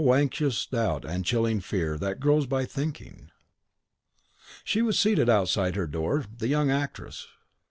(O anxious doubt and chilling fear that grows by thinking.) She was seated outside her door, the young actress!